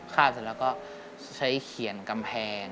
เสร็จแล้วก็ใช้เขียนกำแพง